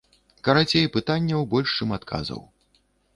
Карацей, пытанняў больш, чым адказаў.